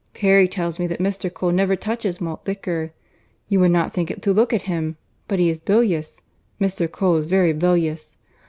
Perry tells me that Mr. Cole never touches malt liquor. You would not think it to look at him, but he is bilious—Mr. Cole is very bilious.